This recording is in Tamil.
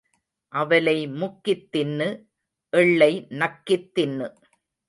அவலை முக்கித் தின்னு எள்ளை நக்கித் தின்னு.